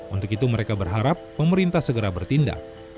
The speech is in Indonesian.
untuk itu mereka berharap pemerintah segera bertindak